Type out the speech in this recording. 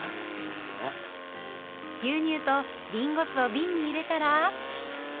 牛乳とりんご酢をびんに入れたら。